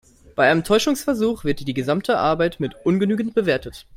Bei einem Täuschungsversuch wird die gesamte Arbeit mit ungenügend bewertet.